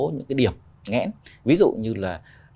những cái điểm ngẽn ví dụ như là